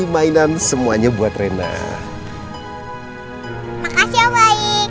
makasih om baik